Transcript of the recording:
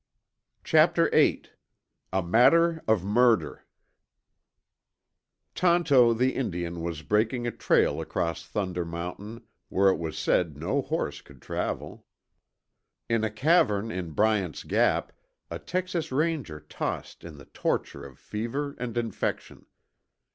Chapter VIII A MATTER OF MURDER Tonto the Indian was breaking a trail across Thunder Mountain where it was said no horse could travel. In a cavern in Bryant's Gap, a Texas Ranger tossed in the torture of fever and infection.